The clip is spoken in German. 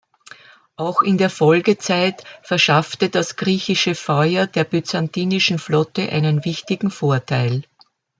Auch in der Folgezeit verschaffte das Griechische Feuer der byzantinischen Flotte einen wichtigen Vorteil.